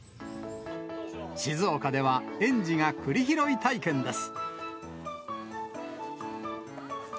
静岡では園児が栗拾い体験です。